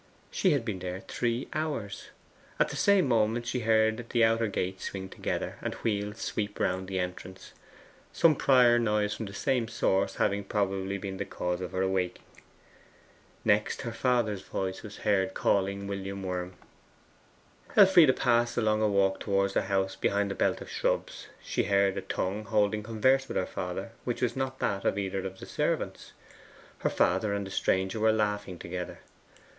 She had been there three hours. At the same moment she heard the outer gate swing together, and wheels sweep round the entrance; some prior noise from the same source having probably been the cause of her awaking. Next her father's voice was heard calling to Worm. Elfride passed along a walk towards the house behind a belt of shrubs. She heard a tongue holding converse with her father, which was not that of either of the servants. Her father and the stranger were laughing together.